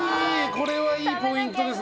これはいいポイントですね。